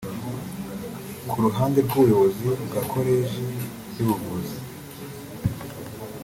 Ku ruhande rw’ubuyobozi bwa Koleji y’ubuvuzi